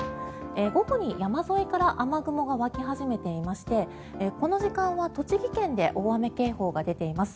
午後に山沿いから雨雲が湧き始めていましてこの時間は栃木県で大雨警報が出ています。